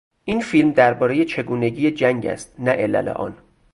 این فیلم دربارهی چگونگی جنگ است نه علل آن.